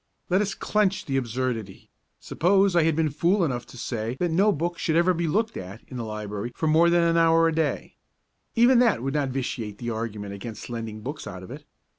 Let us clench the absurdity: suppose I had been fool enough to say that no book should ever be looked at in the library for more than an hour a day; even that would not vitiate the argument against lending books out of it.